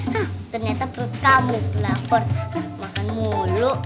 hah ternyata perut kamu lapar hah makan mulu